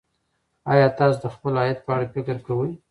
ایا تاسو د خپل عاید په اړه فکر کوئ.